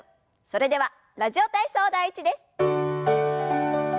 それでは「ラジオ体操第１」です。